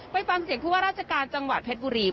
ไปฟังเสียงผู้ว่าราชการจังหวัดเพชรบุรี